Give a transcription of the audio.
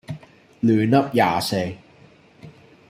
亂噏廿四